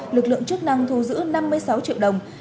lực lượng chức năng thu giữ năm mươi sáu triệu đồng